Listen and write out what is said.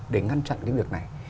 để ngăn chặn cái việc này